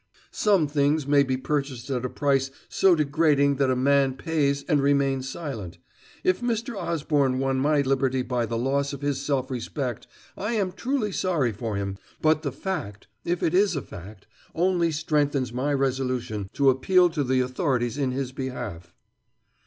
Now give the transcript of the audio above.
"Some things may be purchased at a price so degrading that a man pays and remains silent. If Mr. Osborne won my liberty by the loss of his self respect I am truly sorry for him, but the fact, if it is a fact, only strengthens my resolution to appeal to the authorities in his behalf."